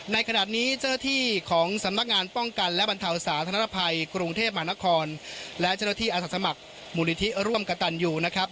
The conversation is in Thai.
ในขณะนี้เจ้าหน้าที่ของสำนักงานป้องกันและบรรเทาสาธารณภัยกรุงเทพมหานครและเจ้าหน้าที่อาสาสมัครมูลนิธิร่วมกระตันอยู่นะครับ